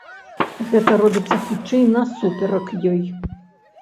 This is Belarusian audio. Гэта робіцца, хутчэй, насуперак ёй.